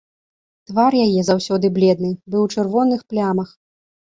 Твар яе, заўсёды бледны, быў у чырвоных плямах.